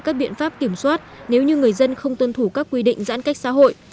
các biện pháp kiểm soát nếu như người dân không tuân thủ các quy định giãn cách xã hội